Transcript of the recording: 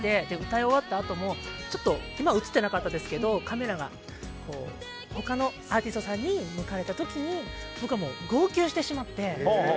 歌い終わったあとも今は映ってなかったですけどカメラが他のアーティストさんに向かわれた時に僕は号泣してしまって。